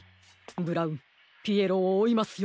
ブラウンピエロをおいますよ。